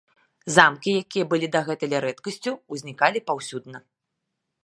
Замкі, якія былі дагэтуль рэдкасцю, узнікалі паўсюдна.